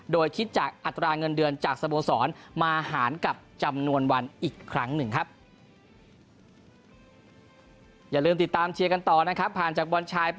โดยคิดจากอัตราเงินเดือนจากสโมสรมาหารกับจำนวนวันอีกครั้งหนึ่งครับ